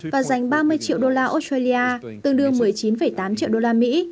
và dành ba mươi triệu đô la australia tương đương một mươi chín tám triệu đô la mỹ